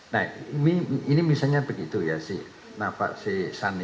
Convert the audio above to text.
nah ini misalnya begitu ya si nafa si sani